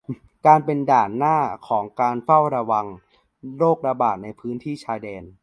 การเป็นด่านหน้าของการเฝ้าระวังโรคระบาดในพื้นที่ชายแดน